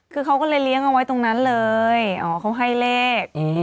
คือเขาก็เลยเลี้ยงเอาไว้ตรงนั้นเลยอ๋อเขาให้เลข